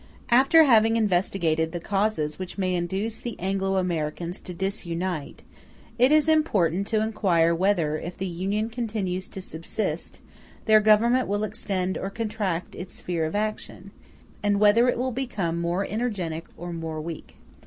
After having investigated the causes which may induce the Anglo Americans to disunite, it is important to inquire whether, if the Union continues to subsist, their Government will extend or contract its sphere of action, and whether it will become more energetic or more weak.